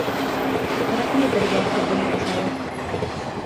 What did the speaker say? Кәрәкмәй беҙгә һеҙҙең ризалыҡ.